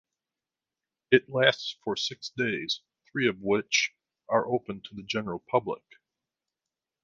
It lasts for six days, three of which are open to the general public.